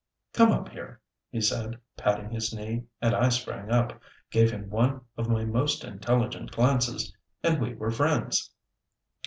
"Come up here," he said patting his knee, and I sprang up, gave him one of my most intelligent glances, and we were friends.